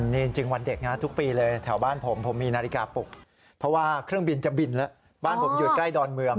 นี่จริงวันเด็กนะทุกปีเลยแถวบ้านผมผมมีนาฬิกาปลุกเพราะว่าเครื่องบินจะบินแล้วบ้านผมอยู่ใกล้ดอนเมือง